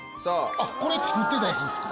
これ作ってたやつですか？